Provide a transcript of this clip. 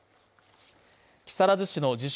木更津市の自称